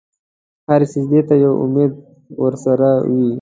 هر سجدې ته یو امید ورسره وي.